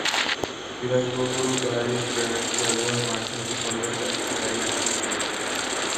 বিলাসবহুল গাড়ির brand Jaguar মার্চে নতুন মডেলের একটি গাড়ি আনছে ইংল্যান্ডে।